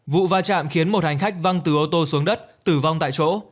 vụ va chạm khiến một hành khách văng từ ô tô xuống đất tử vong tại chỗ